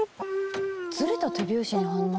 ずれた手拍子に反応？